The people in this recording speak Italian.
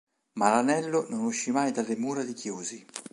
Ma l’Anello non uscì mai dalle mura di Chiusi.